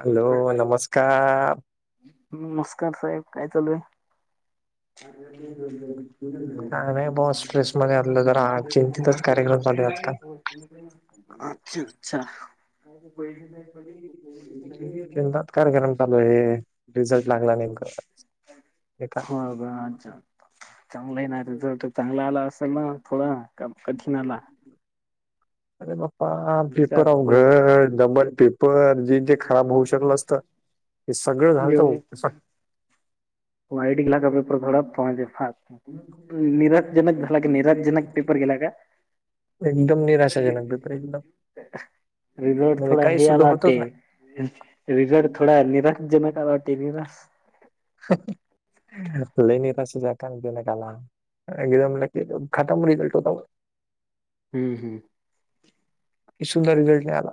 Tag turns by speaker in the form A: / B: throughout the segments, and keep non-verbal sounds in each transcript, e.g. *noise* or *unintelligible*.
A: Hello नमस्कार
B: नमस्कार साहेब काय चालू आहे
A: नाही ब स्ट्रेस मध्ये असलं जरा आ चिंती तर कार्यक्रम चालूतता
B: अच्छा अच्छा
A: चिंतात कार्यक्रम चालू हे रिझल्ट लागला नेमका हे का
B: चांगलंही नाही तथ तर चांगला आला असेल ना थोडं कठीण आला
A: अरे बाप्पा
B: अच्छा
A: पेपर आ
B: हो
A: घर दबल पेपर जे जे खराब होऊ शकलं असत ते सगळं झालत
B: *unintelligible* निरज्जनक झाला क निराज्जनक पेपर गेला का
A: एकदम निराश -
B: *unintelligible* रिझॉर्ट
A: म्हणजे
B: थोडा
A: काही
B: हे
A: सुद्धा
B: आला
A: होतच
B: तेटे रिझट थोडा
A: नाही
B: निराकजनक अला ते निरस
A: *inaudible* लई निराशा जक *unintelligible* एकदम खातम रिझल्ट होता
B: हम्म हम्
A: एक सुंदर रिझल्ट नाही आला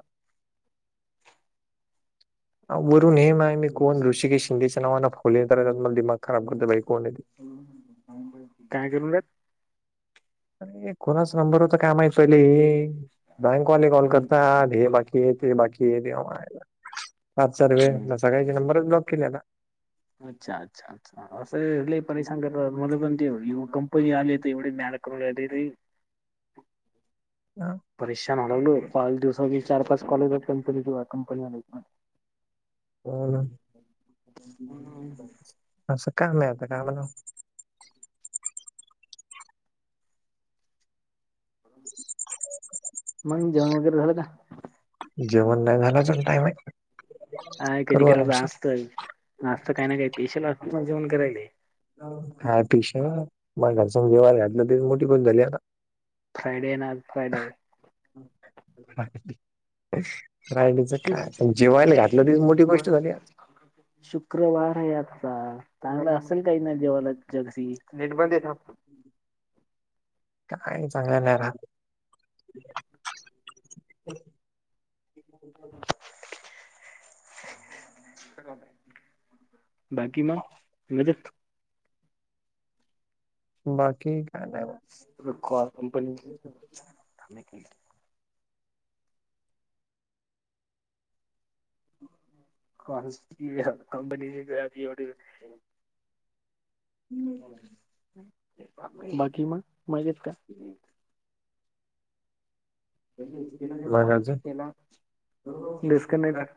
A: वरून हेेम आहे मी कोण ऋषिकेश शिंदेच्या नावाना फोले त्या मला दिमाग खराब करतो बाई कोण य ती
B: *unintelligible* काय करून रात
A: अरे कोणाच नंबर होता का माही पयले हे बँकवाले कॉल
B: हम्म.
A: करता हे बाकी ते बाकी ते देव मायला पाक सार
B: हम्म.
A: वेळ सगळ्याचे नंबरच ब्लॉक केले आता
B: अच्छा अच्छा अच्छा असं लई परशान करत पण ते कंपनी आली एवढे मॅ करून रायले रे
A: हा.
B: परेशान हो लागलो पाच दिवसा चार पाच कॉलेज कंपनी कंपनी *unintelligible*
A: हो ना *inaudible* असं कामता कामला
B: मग जेवण वगैरे झालं का
A: जेवण नाही झालं अजून टाईमाय
B: ह कधी करायं असतं आस्त काय ना काय स्पेशल असतं म्हण जेवण करायले
A: हाय पेश मग घर सम ज्यवहार घातलं तरी मोठी कोण झाली अता
B: फ्रायडे ना आज फ्रायडे
A: *unintelligible* फ्रायडेच काय जेवायला घातलं त मोठी गोष्ट झाली आज
B: शुक्रवार आहे आजचा चांगला असेल काही ना जेवाला जग सी नेट बंद *unintelligible*
A: काय चांगलं नाही राहत
B: बाकी मग मजेत
A: बाकी काय नाही बा.
B: कॉल कंपनी *unintelligible* थांब एक मिनिट *unintelligible* *unintelligible* बाकी मग मजेत का
A: मग अजून
B: *unintelligible* डीसकनेक्टाय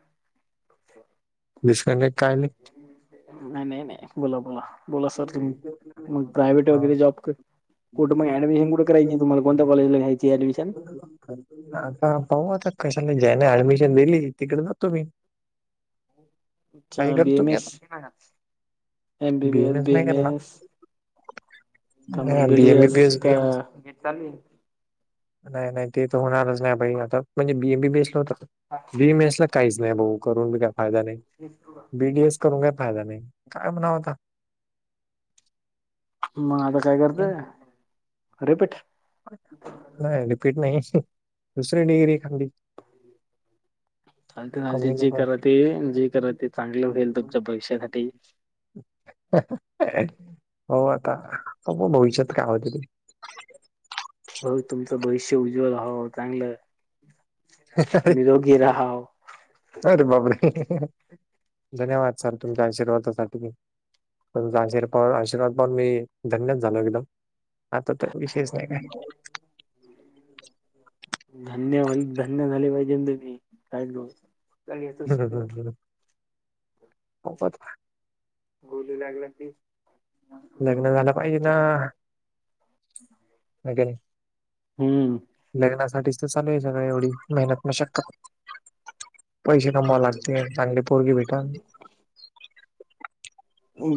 A: डिस्कनेक्ट कायले.
B: नाही नाही नाही बोला बोला बोला सर तुम्ही मग प्रायव्हेट वगैरे जॉब कर कुठ मग ऍडमिशन कुठ करायची तुम्हाला कोणत्या कॉलेजला घ्यायची ऍडमिशन
A: आता पाहू आता कशाला ज्याने ऍडमिशन दिली तिकडे जातो मी
B: अच्छा
A: काही
B: बी
A: करतो
B: एम
A: मी
B: एस
A: आता.
B: M B B S
A: BMS
B: B M S का
A: हा
B: मग
A: B
B: D
A: M
B: S
A: B
B: का
A: एम एस नाही नाही ते तर होणारच नाही भाई आता म्हणजे बीएम बी बेटल होत बी एम एस ला काहीच नाही भाऊ करून बी काही फायदा नाही बी डी एस करून काय फायदा नाही काय म्हणाव आता
B: मग आता काय करते रिपीट
A: नाही रिपीट नाही दुसरी डिग्री खाली
B: चालते चालते
A: कमी
B: जे
A: लोक.
B: कर ते जे करत ते चांगले होईल तुमच्या भविष्यासाठी
A: हो आता भविष्यात काय होते ते
B: भा तुमचं भविष्य उज्वल हवं चांगलं
A: अरे
B: निरोगी राहाव.
A: जाऊ दे बाबा *unintelligible* धन्यवाद सर तुमच्या आशीर्वादासाठी तुमचा आशीर आशीर्वाद पाहून मी धन्यद झालो एकदम... आता तर विशेष नाही काय...
B: धन्यवा धन्य झाले पाहिजे तु मी काय येत...
A: हो
B: बोलू लागली ती...
A: लग्न झालं पाहिजे ना नाही...
B: हम्म...
A: लग्नासाठीच तर चालू आहे सगळ एवढी मेहनत म शक.... पैसे कमावे लागते चांगली पोरगी भेटल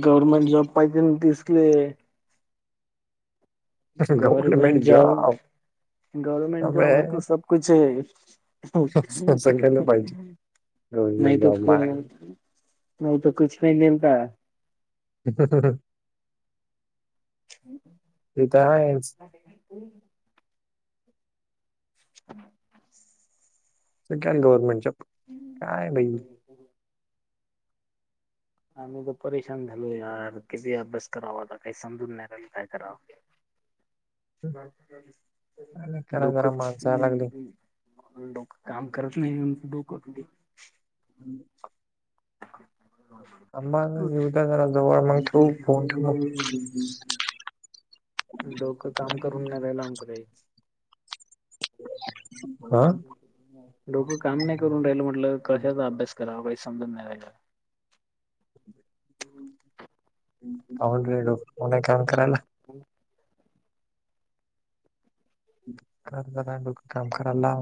B: गव्हर्नमेंट जॉब पाहिजे ना दिसले... गवर्मेंट जॉब.. गव्हर्नमेंट जॉब है तो
A: अबे
B: सब कुछ...
A: सगळ्याला पाहिजे. गव्हर्नमेंट
B: नाहीयत
A: जॉब माय
B: नाहीत कुछ भी नाही मिलता..
A: ह ह.. तर
B: ह
A: आहेच
B: *unintelligible* ह *unintelligible*
A: गव्हर्नमेंटच्या काय भाई...
B: आम्ही तर परेशान झालो यार किती अभ्यास करावा आता काही समजून नाही राहिल काय करावं...
A: काय करा
B: दुःख
A: जरा
B: ह्..
A: माणसा लागली
B: डोक काम करत नाही म्ह डोक...
A: आंबा जेवता झारा जवळ मग तो फोन...
B: डोकं काम करून नाही रालात....
A: हा
B: डोक काम नाही करून राहिल म्हटलं कशाचा अभ्यास... खराब आहे समजून नाही..
A: होलड मणा काम करायला...
B: प..
A: क डोक काम कराय ला....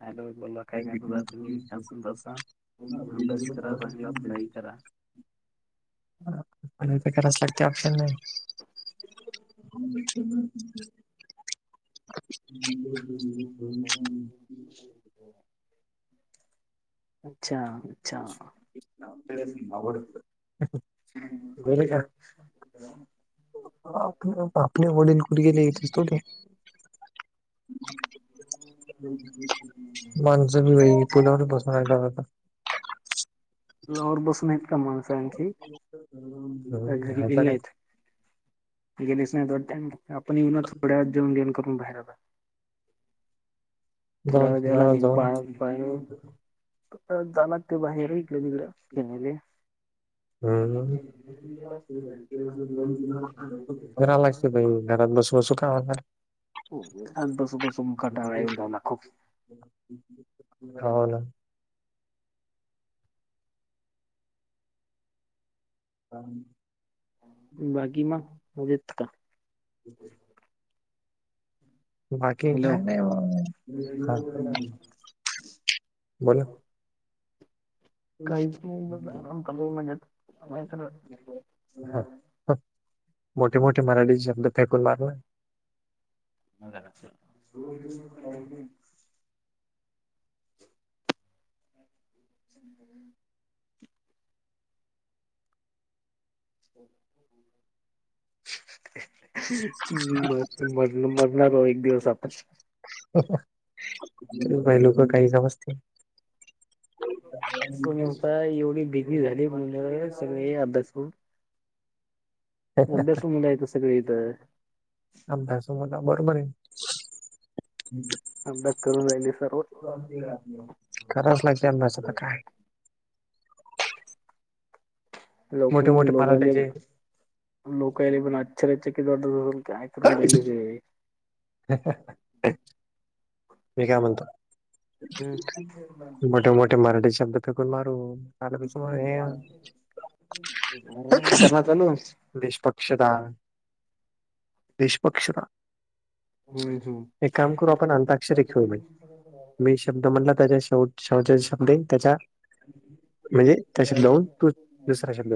B: हॅलो बोला काय करता तुम्ही असून तसा अभ्यास करा स पढाई करा...
A: करायच लागते ऑप्शन नाही.. अच्छा... बल बि *unintelligible*
B: अच्छा अच्छा..
A: तुम्हीवड वेर का *unintelligible* आप आपल्या वडील कुठ गेले येतच तो ते... माणसं बी वई पुलावर बसूनता...
B: लवर बसूनत का माणस आणखी
A: हम्म
B: घरी गेले
A: आता काय?
B: नाही... गेलेस नाही आपण येऊ ना थोड्या जेवण घेऊन करून बाहेर आलो.. थोड्या
A: जाऊन
B: वेळला
A: पुलावर
B: आणि
A: जाऊन
B: बाळ बाळ जाला ते बाहेर... केले..
A: हम् खरा लागते भाई.. घरात बसूसू का म्हणार...
B: आ बस बस कंटाळा येऊ राहिला..
A: गावाला... हा...
B: बाकी मा म्हजेत का...
A: ह.. बाकी
B: हॅलो
A: काय नाही म बोला..
B: काहीच नाही म्हणजे...
A: मोठे मोठे मराठी शब्द फेकून मारला...
B: म *unintelligible* *unintelligible* *unintelligible* हम् म मर मरणारहो एक दिवस आपण
A: बाय लोक काही समजतील
B: नवता एवढी बिगी झाली म्हण सगळे अभ्यास करून अभ्यासमला येत सगळे इथं
A: आम भसो मोठा बरोबर आहे
B: अभ्यास करून राहिले सर्व
A: कराच लागते अंदसाला काय मोठे
B: लवकरां
A: मोठे
B: लोकने
A: मराठ्याचे
B: लोकय बण अचर चकी दोडयडले
A: ह म काय म्हणतो मोठे मोठे मराठी शब्द पकून मार आलाप
B: ता न
A: निष्पक्षता निष्पक्षता
B: होम
A: एक काम करू आपण अंताक्षरी खेळू मी शब्द म्हणला त्याच्या शेवट श शब्द त्याच्या म्हणजे त्या शब्दन तू दुसरा शब्द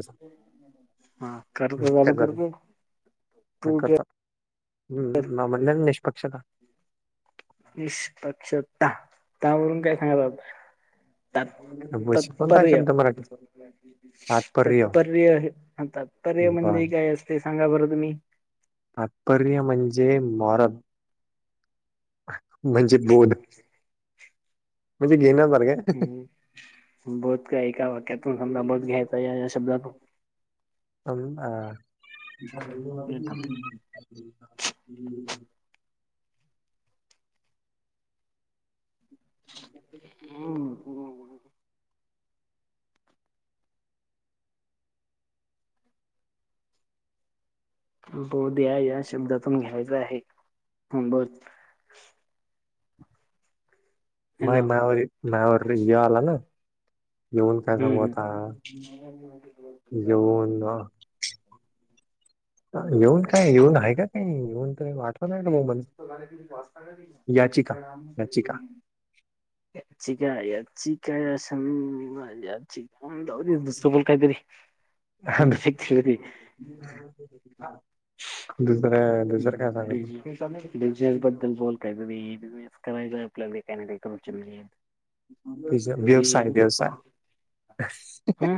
B: हा कर
A: काय झालं
B: तू
A: करतो ह् म्हणल्या निष्पक्षता
B: निष्पक्षता त्यावररून काय सांग आप
A: बशी कोणतायच मराठीच
B: तातपर्य तात्पर्य
A: बर
B: म्हंदि काय असते सांगा बरं तुम्ही
A: तात्पर्य म्हणजे मरद म्हणजे बोध म्हणजे घेण्यासारखं आहे.
B: हम्म बोत का का वाक्या तूमना बत घ्याता या शब्दा त
A: ह ह हा
B: शब्दातून
A: ह
B: हम ब बोध या या शब्दातून घ्यायच आहे बोध
A: मा
B: हॅलो
A: मावर मा्यावर य आला ना येऊन काय
B: हम्म
A: सांगूता
B: हम्म
A: येऊन येऊन काय येऊन आहे का काही येऊन त वाट याचिका याचिका
B: स् या च काय या च काय समी मवाची अमव दुस् बोल कायतरी
A: ह दुसरे दुसरं काय सांग
B: बि बिझनेस बद्दल बोलयच बिझनेस करायचा आपल्याला कॅनडकड
A: ज व्यवसाय व्यवसाय
B: ह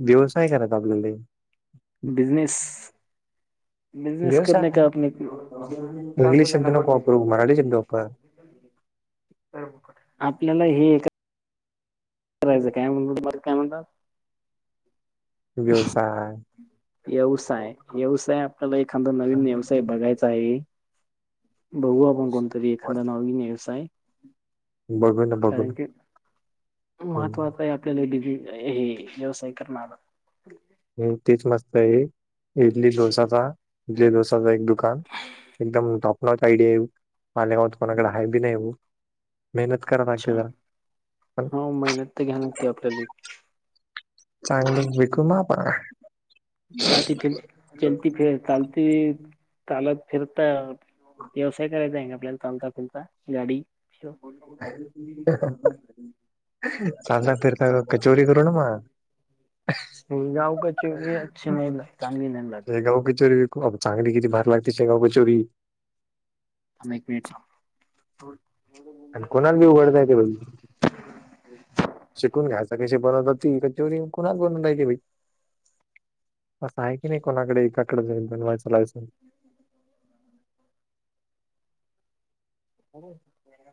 A: व्यवसाय करत आपल्याला
B: बिजनेस बिजनेस कर
A: व्यवसाय
B: का आप
A: इंग्लिश शब्द
B: नबर
A: नको वापरू मराठी शब्द वापर
B: आपल्याला हे ए करायचं काय म्हण तमला काय म्हणतात
A: व्यवसाय
B: व्यवसाय व्यवसाय आपल्याला एखादा नवीन व्यवसाय बघायचा आहे बघू आपण कोणतरी एखादा नावीन व्यवसाय
A: बघू ना बघू
B: कारण
A: ना
B: क
A: हम्म.
B: महत्वचा या आपल्याला डिग हे व्यवसाय करणार
A: ह् तेच मस्त आहे इडली डोसाचा इडली डोसा एक दुकान एकदम टॉपनच आयडिया. माले गावत कोणाकडे आहेा बी नाही येऊ मेहनत करा लागते जरा. पण
B: होा मेहनत तर घ्या नगती आपल्याला.
A: चांगली विकू मा पण.
B: चा फिर लती फिर चालती चालत फिरता. व्यवसाय करायचा आहे आपल्याला चालता फुलता गाडी.
A: चाल ना फर. तर कचोरी कर ना म
B: गावकाची व अच्छ नाहीग चांगली नाही लागते.
A: हे कााग किचोरी. चांगली किती भार लागते शगा चोरी
B: आम वट
A: आणि कोणाला बी उघडता येते बाई
B: *unintelligible*
A: शिकून घ्यायचा कसे बनत त कच्या वरी कुणाच बनवयची बा. असं आहे की नाही कोणाकडे एकाकडे जाईन बनवायंलाच.
B: *inaudible*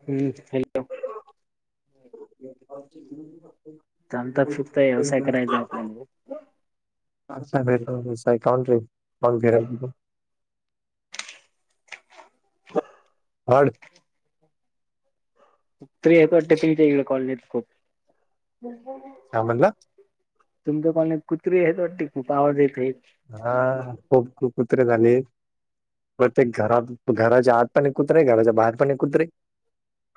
B: हम्म
A: *inaudible*
B: आमचाच फक्त व्यवसाय करायचा आपल्याला
A: *inaudible* *unintelligible* हड.
B: त्री य वाटते तच्या इडे कॉलेज येत खूप..
A: काय म्हटलं.
B: तुमच कोण एक कुत्री आहेत वाटते खूप आवडज येते.
A: हा खूप खू कुत्रे झाली. प्रत्येक घरात घराच्या आत पण कुत्रे घराच्या बाहेर पण कुत्रे.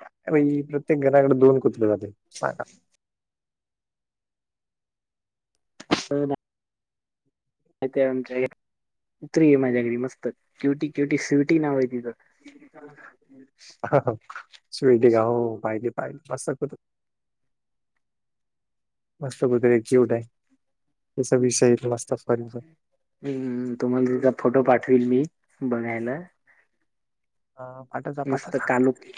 A: अ प्रत्येक घराकडे दोन कुत्र जाते सांगा.
B: हो मा आमच्या घ उतरी आहे माझ्या घरी मस्त क्यवटी क्यवटी स्वीटी नाव आहे तिच...
A: स्ट ग हो पाहिली पाहिली मस्तकूतू *inaudible* मस्त वगरे जीवड आहे त्याचा विषय मस्तॉ
B: हम् तुम्हालाचा फोटो पाठवेल मी बघायला.
A: पाठाचा पाठच
B: नुसतं कालू
A: तरी.